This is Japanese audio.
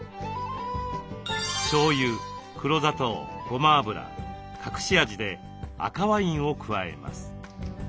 しょうゆ黒砂糖ごま油隠し味で赤ワインを加えます。